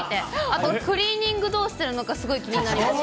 あとクリーニングどうしてるのか、すごい気になります。